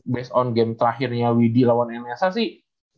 based on game terakhirnya widi lawan nsa sih